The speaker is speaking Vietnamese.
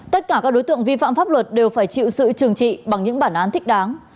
tất cả các đối tượng vi phạm pháp luật đều phải chịu sự trừng trị bằng những bản án thích đáng